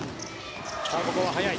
ここは速い。